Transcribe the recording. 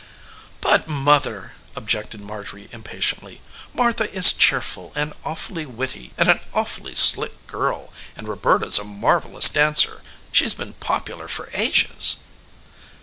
"But, mother," objected Marjorie impatiently, "Martha is cheerful and awfully witty and an awfully slick girl, and Roberta's a marvellous dancer. She's been popular for ages!"